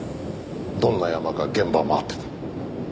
どんなヤマか現場回ってた。